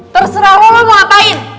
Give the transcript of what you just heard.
terserah lo lo mau ngapain